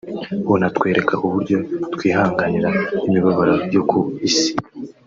bunatwereka uburyo twihanganira imibabaro yo ku isi